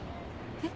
えっ？